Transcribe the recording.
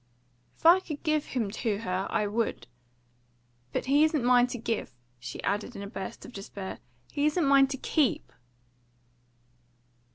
"If I could give him to her, I would. But he isn't mine to give." She added in a burst of despair, "He isn't mine to keep!"